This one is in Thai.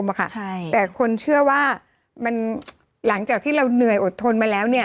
ว่าก็ลำบากนะครับน่ะถ้าลำบากแล้วก็เราก็ต้องทำงานส่งตัวเองด้วย